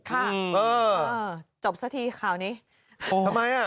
ค่ะจบซะทีข่าวนี้โอ้โฮทำไมน่ะ